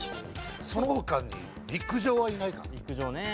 その他に陸上はいないかな？